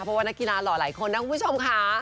เพราะว่านักกีฬาหล่อหลายคนนะคุณผู้ชมค่ะ